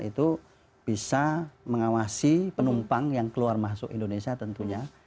itu bisa mengawasi penumpang yang keluar masuk indonesia tentunya